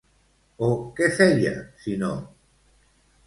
O què feia, si no?